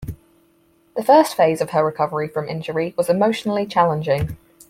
The first phase of her recovery from injury was emotionally challenging.